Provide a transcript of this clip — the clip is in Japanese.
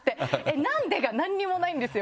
「なんで」が何にもないんですよ。